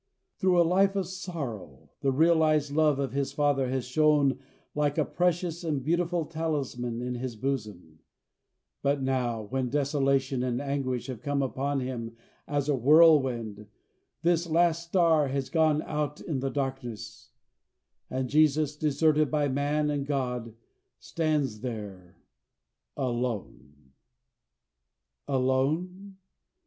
Through a life of sorrow the realized love of his Father has shone like a precious and beautiful talisman in his bosom; but now, when desolation and anguish have come upon him as a whirlwind, this last star has gone out in the darkness, and Jesus, deserted by man and God, stands there alone. Alone?